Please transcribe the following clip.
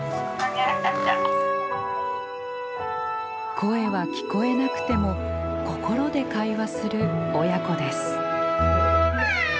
声は聞こえなくても心で会話する親子です。